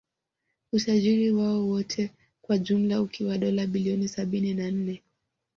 Utajiri wao wote kwa ujumla ukiwa dola bilioni sabini na nne